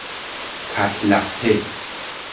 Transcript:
تک لپه